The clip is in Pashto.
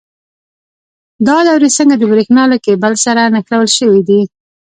دا دورې څنګه د برېښنا له کیبل سره نښلول شوي دي؟